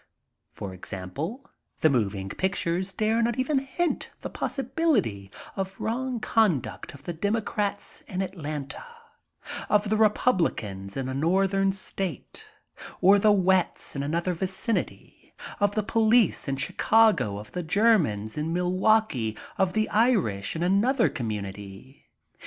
For example — the moving pictures dare not even hint the possibility of wrong conduct of the demo crats in Atlanta; of the republicans in a northern state; of the wets" in another vicinity; of the police in Chicago; of the Germans in Milwaukee; of the Irish in another community.